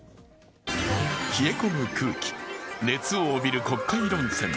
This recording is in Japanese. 冷え込む空気、熱を帯びる国会論戦。